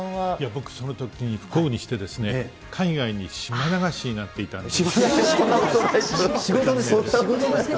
僕、そのときに不幸にして海外に島流しになっていたんです。